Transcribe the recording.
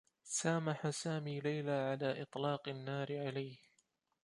سامح سامي ليلى على إطلاق النّار عليه.